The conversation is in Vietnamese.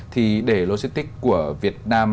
thì để logistics của việt nam